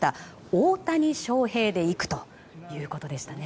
大谷翔平でいくということでしたね。